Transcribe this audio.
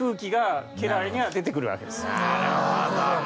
なるほどね。